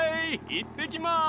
いってきます！